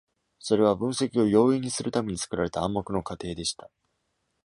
それは、分析を容易にするために作られた暗黙の仮定でした。